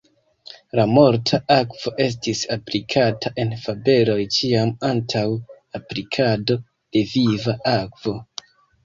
La morta akvo estis aplikata en fabeloj ĉiam antaŭ aplikado de viva akvo.